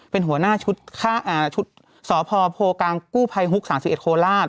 เป็นหัวหน้าชุดสพโพกลางกู้ภัยฮุก๓๑โคราช